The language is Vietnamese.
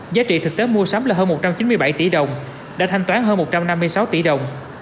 giá trị thực tế mua sắm là hơn một trăm chín mươi bảy tỷ đồng đã thanh toán hơn một trăm năm mươi sáu tỷ đồng